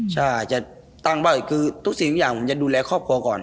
ใช่จะตั้งบ้านคือทุกสิ่งทุกอย่างผมจะดูแลครอบครัวก่อน